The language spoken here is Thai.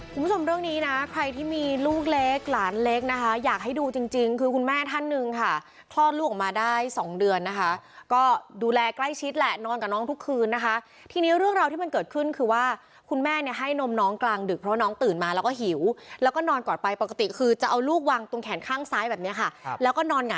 คุณผู้ชมเรื่องนี้นะใครที่มีลูกเล็กหลานเล็กนะคะอยากให้ดูจริงจริงคือคุณแม่ท่านหนึ่งค่ะคลอดลูกออกมาได้สองเดือนนะคะก็ดูแลใกล้ชิดแหละนอนกับน้องทุกคืนนะคะทีนี้เรื่องราวที่มันเกิดขึ้นคือว่าคุณแม่เนี่ยให้นมน้องกลางดึกเพราะน้องตื่นมาแล้วก็หิวแล้วก็นอนกอดไปปกติคือจะเอาลูกวางตรงแขนข้างซ้ายแบบนี้ค่ะครับแล้วก็นอนหง